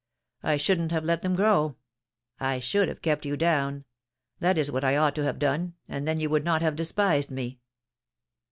I shouldn't have let them grow — I should have kept you down — that is what I ought to have done, and then you would not have despised me.